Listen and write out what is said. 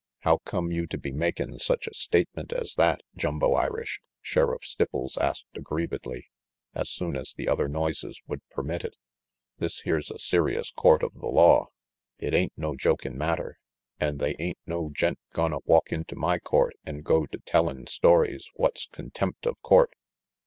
"How come you to be makin' such a statement as that, Jumbo Irish?" Sheriff Stipples asked aggriev edly, as soon as the other noises would permit it. "This here's a serious court of the law. It ain't no jokin' matter, an' they ain't no gent gonna walk into my court an' go to tellin' stories what's con tempt of court.